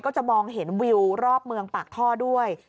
ก็จะมองเห็นวิวรอบเมืองปากท่อด้วย